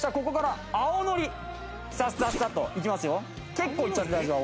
結構いっちゃって大丈夫。